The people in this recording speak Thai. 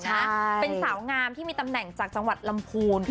ใช่เป็นสาวงามที่มีตำแหน่งจากจังหวัดลำพูน